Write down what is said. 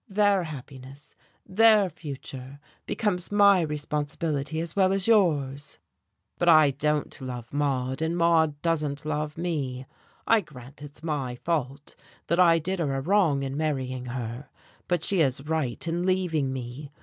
Their happiness, their future becomes my responsibility as well as yours." "But I don't love Maude, and Maude doesn't love me. I grant it's my fault, that I did her a wrong in marrying her, but she is right in leaving me.